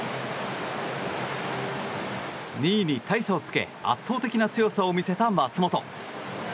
２位に大差をつけ圧倒的な強さを見せた松元。